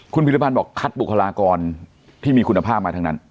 คุณพิรพันธ์บอกคัดบุคลากรที่มีคุณภาพมาทั้งนั้น